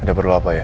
ada perlu apa ya